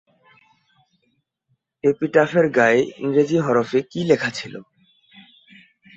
এপিটাফের গায়ে ইংরেজি হরফে কী যেন লেখা।